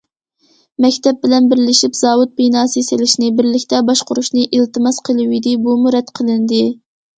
مەكتەپ بىلەن بىرلىشىپ زاۋۇت بىناسى سېلىشنى، بىرلىكتە باشقۇرۇشنى ئىلتىماس قىلىۋىدى، بۇمۇ رەت قىلىندى.